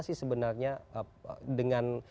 sih sebenarnya dengan